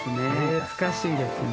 懐かしいですね。